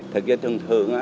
thực ra thường thường